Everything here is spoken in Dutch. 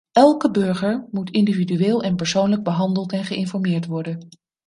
Elke burger moet individueel en persoonlijk behandeld en geïnformeerd worden.